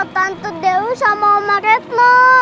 tante dewi sama omah retno